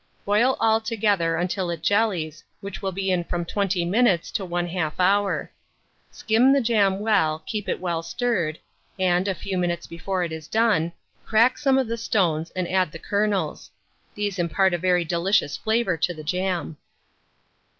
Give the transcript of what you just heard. Boil all together until it jellies, which will be in from 20 minutes to 1/2 hour; skim the jam well, keep it well stirred, and, a few minutes before it is done, crack some of the stones, and add the kernels: these impart a very delicious flavour to the jam.